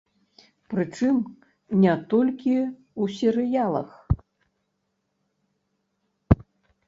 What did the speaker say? Прычым не толькі ў серыялах.